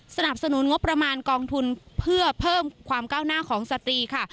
สนับสนุนงบประมาณกองทุนเพื่อเพิ่มความก้าวหน้าของสตรีค่ะ